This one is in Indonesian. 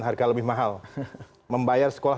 harga lebih mahal membayar sekolah